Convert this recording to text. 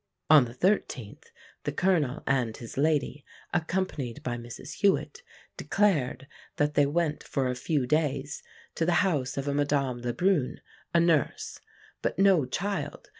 On the 13th, the Colonel and his lady, accompanied by Mrs Hewit, declared that they went for a few days to the house of a Madame la Brune, a nurse but no child, M.